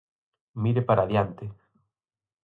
Mire para adiante.